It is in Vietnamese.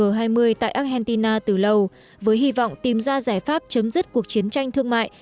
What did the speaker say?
ở argentina từ lâu với hy vọng tìm ra giải pháp chấm dứt cuộc chiến tranh thương mại